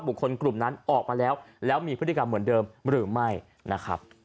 กลุ่มนั้นออกมาแล้วแล้วมีพฤติกรรมเหมือนเดิมหรือไม่นะครับ